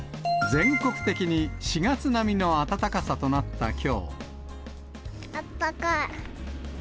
全国的に４月並みの暖かさとあったかい。